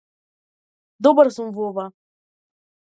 Добар сум во ова.